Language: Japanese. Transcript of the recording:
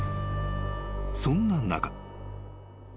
［そんな中］